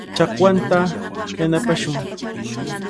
Chakwanta yanapashun.